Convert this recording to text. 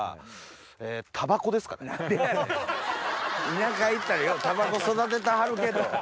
田舎行ったらようタバコ育ててはるけど。